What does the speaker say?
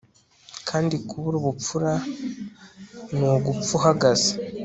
kandi kubura ubupfura ni ugapfa uhagaze